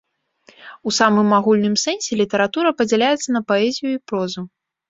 У самым агульным сэнсе літаратура падзяляецца на паэзію і прозу.